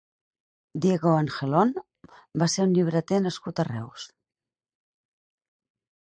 Diego Angelón va ser un llibreter nascut a Reus.